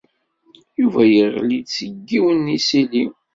Yuba yeɣli-d seg yiwen n yisili.